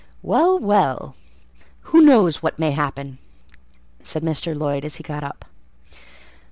"Well, well! who knows what may happen?" said Mr. Lloyd, as he got up.